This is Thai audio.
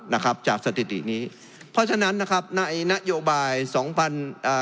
นะครับจากสถิตินี้เพราะฉะนั้นนะครับในนโยบายสองพันอ่า